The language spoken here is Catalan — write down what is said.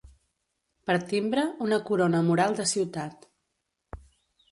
Per timbre, una corona mural de ciutat.